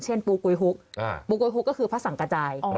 ปูกวยฮุกปูกวยฮุกก็คือพระสังกระจาย